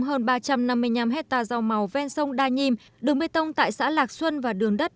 hơn ba trăm năm mươi năm hectare rau mầu ven sông đa nhim đường mê tông tại xã lạc xuân và đường đất